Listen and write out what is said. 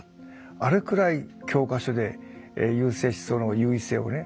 あれくらい教科書で優生思想の優位性をね